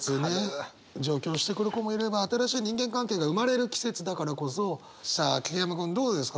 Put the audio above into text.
上京してくる子もいれば新しい人間関係が生まれる季節だからこそさあ桐山君どうですか？